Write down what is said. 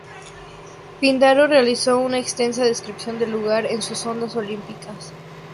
Píndaro realizó una extensa descripción del lugar en sus "Odas olímpicas".